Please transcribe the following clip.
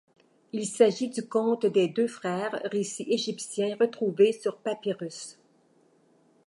Il s'agit du conte des deux frères, récit égyptien retrouvé sur papyrus.